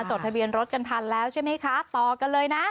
จดทะเบียนรถกันทันแล้วใช่ไหมคะต่อกันเลยนะ